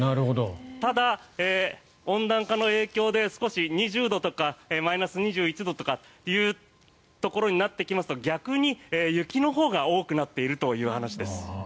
ただ、温暖化の影響で少しマイナス２０度とか２１度とかというところになってきますと逆に雪のほうが多くなっているという話です。